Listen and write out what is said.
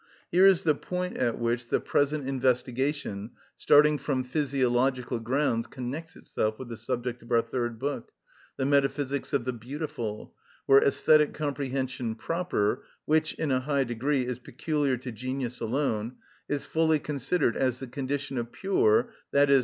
Here is the point at which the present investigation, starting from physiological grounds, connects itself with the subject of our third book, the metaphysics of the beautiful, where æsthetic comprehension proper, which, in a high degree, is peculiar to genius alone, is fully considered as the condition of pure, _i.e.